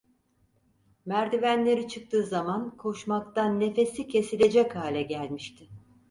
Merdivenleri çıktığı zaman koşmaktan nefesi kesilecek hale gelmişti.